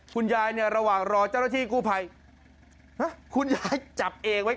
คุณยายเนี่ยระหว่างรอเจ้าหน้าที่กู้ภัยคุณยายจับเองไว้